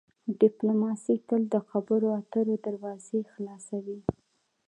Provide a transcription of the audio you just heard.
ډیپلوماسي تل د خبرو اترو دروازې خلاصوي.